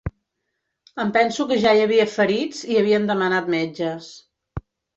Em penso que ja hi havia ferits i havien demanat metges